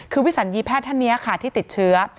คือวิสัญญีแพทย์ท่านนี้ค่ะที่ติดเชื้อ